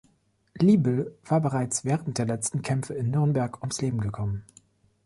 Liebel war bereits während der letzten Kämpfe in Nürnberg ums Leben gekommen.